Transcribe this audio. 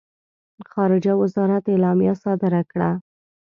خارجه وزارت اعلامیه صادره کړه.